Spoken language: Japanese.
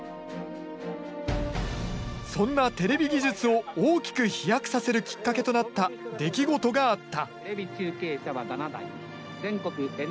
そんなテレビ技術を大きく飛躍させるきっかけとなった出来事があった。